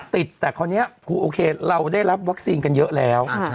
ติดแต่คราวนี้คือโอเคเราได้รับวัคซีนกันเยอะแล้ว